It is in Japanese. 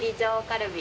カルビ！